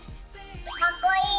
かっこいい！